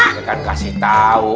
itu kan kasih tau